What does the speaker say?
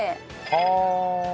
ああ。